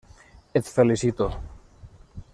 Et felicito.